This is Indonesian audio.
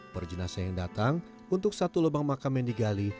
perjenasa yang datang untuk satu lubang makam yang digali